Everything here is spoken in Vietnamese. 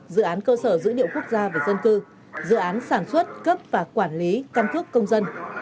dự án cơ sở giữ điệu quốc gia và dân cư dự án sản xuất cấp và quản lý căn thức công dân